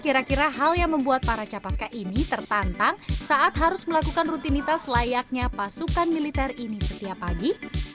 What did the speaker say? kira kira hal yang membuat para capaska ini tertantang saat harus melakukan rutinitas layaknya pasukan militer ini setiap pagi